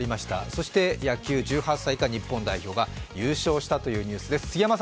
そして野球、１８歳以下日本代表が優勝したというニュースです。